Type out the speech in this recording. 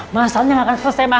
masalahnya gak akan selesai ma